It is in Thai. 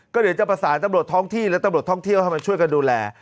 ก็เดี๋ยวจะประสานตำรวจท้องที่และตำรวจท่องเที่ยวให้มาช่วยกันดูแล